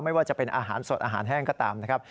ไม่ว่าจะเป็นอาหารสดอาหารแห้งก็ตามนะครับ